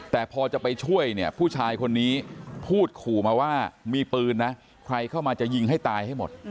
แต่พอจะไปช่วยเนี่ยผู้ชายคนนี้พูดขู่มาว่ามีปืนนะใครเข้ามาจะยิงให้ตายให้หมด